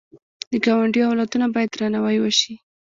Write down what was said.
د ګاونډي اولادونه باید درناوی وشي